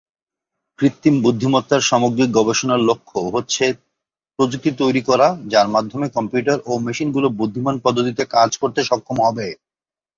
কৃত্রিম বুদ্ধিমত্তার সামগ্রিক গবেষণার লক্ষ্য হচ্ছে প্রযুক্তি তৈরি করা যার মাধ্যমে কম্পিউটার এবং মেশিনগুলি বুদ্ধিমান পদ্ধতিতে কাজ করতে সক্ষম হবে।